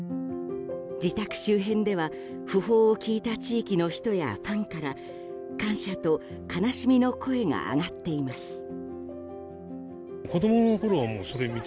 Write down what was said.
自宅周辺では訃報を聞いた地域の人やファンから感謝と悲しみの声が上がっています。